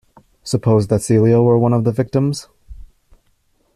Suppose that Celia were one of the victims?